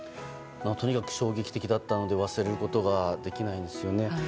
とにかく衝撃的だったので忘れることができないですね。